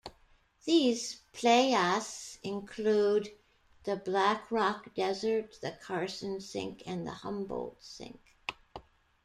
These playas include the Black Rock Desert, the Carson Sink, and the Humboldt Sink.